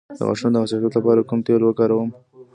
د غاښونو د حساسیت لپاره کوم تېل وکاروم؟